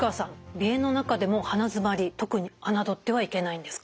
鼻炎の中でも鼻づまり特にあなどってはいけないんですか？